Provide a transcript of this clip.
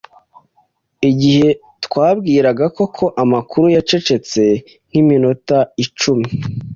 Igihe twabwiraga Koko amakuru, yacecetse nk'iminota icumi.